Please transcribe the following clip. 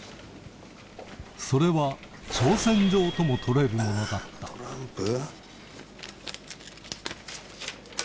それは挑戦状ともとれるものだったトランプ？